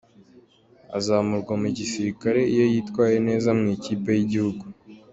Azamurwa mu gisirikare iyo yitwaye neza mu ikipe y’igihugu.